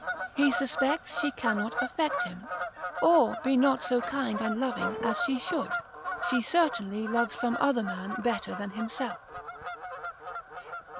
he suspects she cannot affect him, or be not so kind and loving as she should, she certainly loves some other man better than himself.